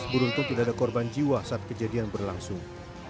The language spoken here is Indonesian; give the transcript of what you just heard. beruntung tidak ada korban jiwa saat kejadian berlangsung